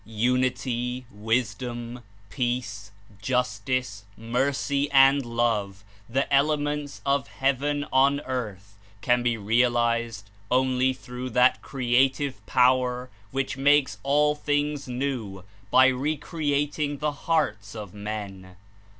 Unity, wisdom, peace, justice, mercy and love, the elements of heaven on earth, can be realized only through that creative power which makes all things new by re creating the hearts of men.